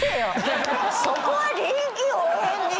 そこは臨機応変に。